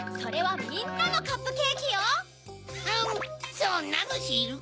そんなのしるか！